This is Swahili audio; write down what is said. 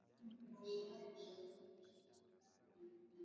pasta ataombeya mutoto yangu iyi sabato